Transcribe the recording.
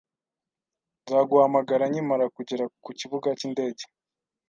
Nzaguhamagara nkimara kugera ku kibuga cyindege.